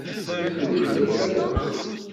Mi twejdemt, ad neddu.